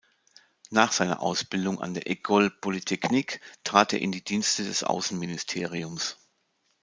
Nach seiner Ausbildung an der École polytechnique trat er in die Dienste des Außenministeriums.